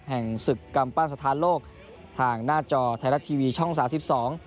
แห่งศึกกำปั้นสถานโลกทางหน้าจอไทยรัฐทีวีช่องสามสิบสอง